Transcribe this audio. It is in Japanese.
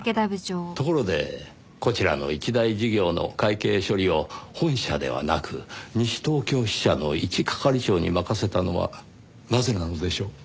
ところでこちらの一大事業の会計処理を本社ではなく西東京支社のいち係長に任せたのはなぜなのでしょう？